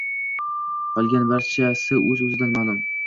Qolgan barchasi o‘z-o‘zidan ma’lum